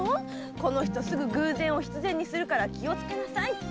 この人すぐ偶然を必然にするから気をつけなさいって。